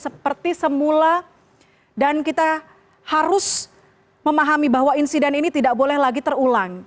seperti semula dan kita harus memahami bahwa insiden ini tidak boleh lagi terulang